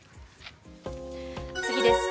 次です。